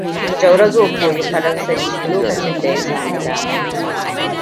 Jauro zai koyi faransanci lokacn da ya samu dama.